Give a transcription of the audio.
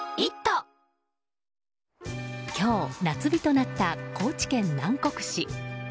今日、夏日となった高知県南国市。